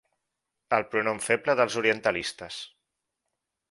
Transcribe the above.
El pronom feble dels orientalistes.